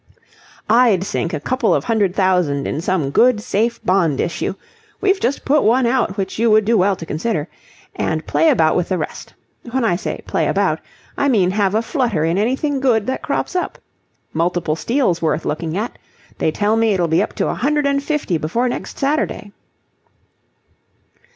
"I'd sink a couple of hundred thousand in some good, safe bond issue we've just put one out which you would do well to consider and play about with the rest. When I say play about, I mean have a flutter in anything good that crops up. Multiple Steel's worth looking at. They tell me it'll be up to a hundred and fifty before next Saturday."